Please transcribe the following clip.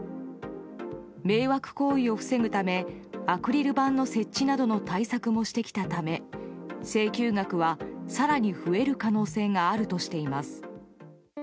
迷惑行為を防ぐためアクリル板の設置などの対策もしてきたため、請求額は更に増える可能性があるとしています。